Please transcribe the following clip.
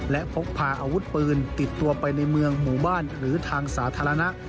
และพกพาอาวุธปืนติดตัวไปในเมืองหมู่บ้านหรือทางสาธารณะ